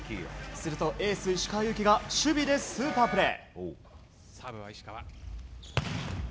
するとエース、石川祐希が守備でスーパープレー。